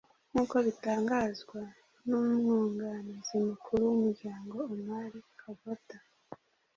nkuko bitangazwa n’umwunganizi mukuru w’umuryango Omar Kavota